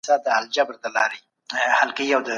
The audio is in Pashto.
سیاستوال کله د بشري حقونو تړونونه مني؟